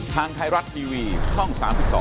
ทางไทยรัฐทีวีช่อง๓๒